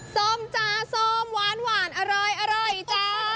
ซอมที่สุด